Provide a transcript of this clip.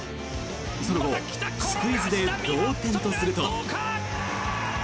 その後スクイズで同点とすると。